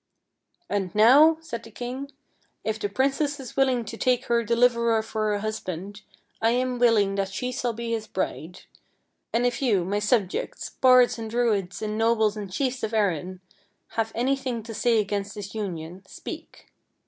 " And now," said the king, " if the princess is willing to take her deliverer for her husband, I am willing that she shall be his bride ; and if you, my subjects, bards and Druids and nobles and chiefs of Erin, have anything to say against this union, speak.